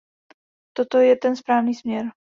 Toto je ten správný směr.